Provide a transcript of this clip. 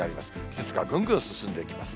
季節がぐんぐん進んできます。